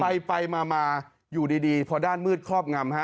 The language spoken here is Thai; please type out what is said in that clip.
ไปไปมาอยู่ดีพอด้านมืดครอบงำฮะ